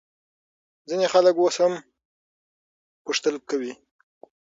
ځینې خلک اوس هم پوښتل کوي.